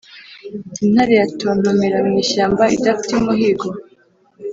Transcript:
Intare yatontomera mu ishyamba idafite umuhigo?